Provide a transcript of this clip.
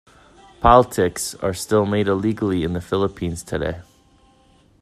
"Paltiks" are still made illegally in the Philippines today.